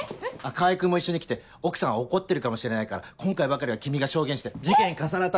川合君も一緒に来て奥さん怒ってるかもしれないから今回ばかりは君が証言して事件重なったって。